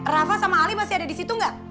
rafa sama ali masih ada di situ nggak